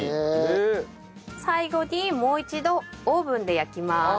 最後にもう一度オーブンで焼きます。